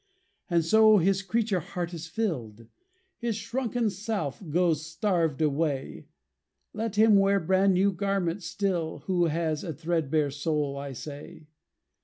And so his creature heart is filled; His shrunken self goes starved away. Let him wear brand new garments still, Who has a threadbare soul, I say.